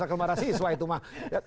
lki marasiswa itu mah